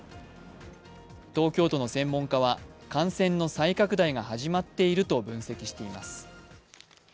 東京都の専門家は感染の再拡大が始まっていると分析しています。